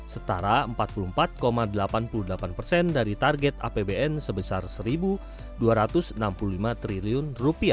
setara empat puluh empat delapan puluh delapan persen dari target apbn sebesar rp satu dua ratus enam puluh lima triliun